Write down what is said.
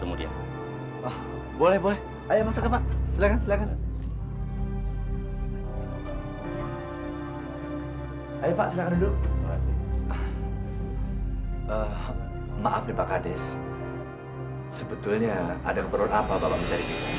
eh pak kades